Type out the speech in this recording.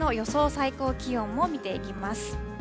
最高気温も見ていきます。